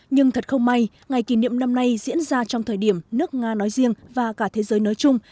nhưng thật không may ngày kỷ niệm năm nay diễn ra trong thời điểm nước nga nói riêng và cả thế giới nói chung